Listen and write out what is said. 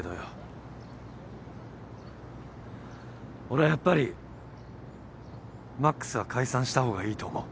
俺はやっぱり魔苦須は解散した方がいいと思う。